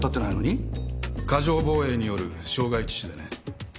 過剰防衛による傷害致死でね。